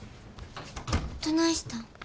どないしたん？